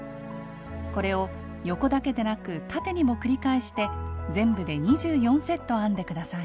これを横だけでなく縦にも繰り返して全部で２４セット編んでください。